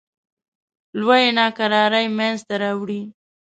لویې ناکرارۍ منځته راوړې.